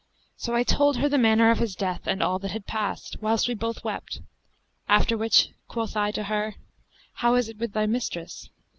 so I told her the manner of his death and all that had passed, whilst we both wept; after which quoth I to her, 'How is it with thy mistress?'